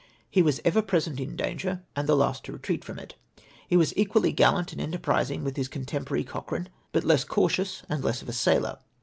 He was ever present in danger, and the last to retreat from it. He Avas equally gallant and enterprising with his contemporary, Cochrane, but less cautious and less of a sailor.